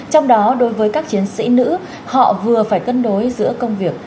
trong đó đối với các chiến sĩ nữ họ vừa phải cân đối giữa công việc